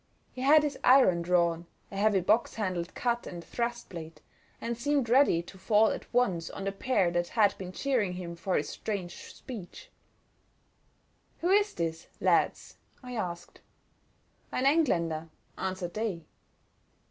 He had his iron drawn, a heavy box handled cut and thrust blade, and seemed ready to fall at once on the pair that had been jeering him for his strange speech. "Who is this, lads?" I asked. "Ein Engländer," answered they.